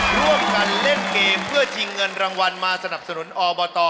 ร่วมกันเล่นเกมเพื่อชิงเงินรางวัลมาสนับสนุนอบต